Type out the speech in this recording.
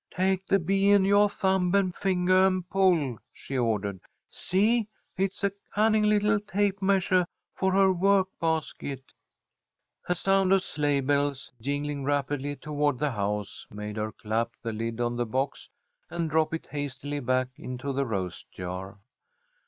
"Take the bee in yoah thumb and fingah and pull," she ordered. "See? It's a cunning little tape measuah for her work basket." A sound of sleigh bells jingling rapidly toward the house made her clap the lid on the box and drop it hastily back into the rose jar.